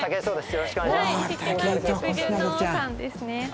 よろしくお願いします。